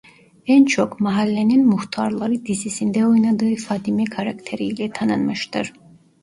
En çok "Mahallenin Muhtarları" dizisinde oynadığı "Fadime" karakteri ile tanınmıştır.